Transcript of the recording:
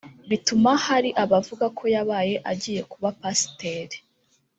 bituma hari abavuga ko yaba agiye kuba pasiteri